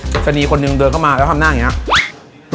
มีสนีคนเดินเข้ามาแล้วทำหน้าอย่างนี้